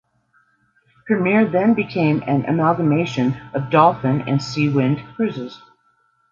Premier then became an amalgamation of Dolphin and Seawind Cruises.